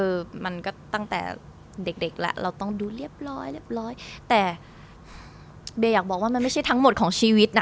มันก็ตั้งแต่เด็กเด็กแล้วเราต้องดูเรียบร้อยเรียบร้อยแต่เบย์อยากบอกว่ามันไม่ใช่ทั้งหมดของชีวิตน่ะ